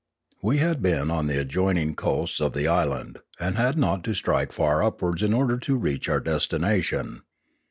We had been on the adjoining coast of the island, and had not to strike far upwards in order to reach our destination.